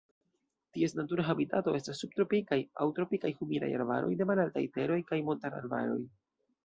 Ties natura habitato estas subtropikaj aŭ tropikaj humidaj arbaroj de malaltaj teroj kaj montararbaroj.